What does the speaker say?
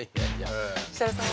設楽さんは？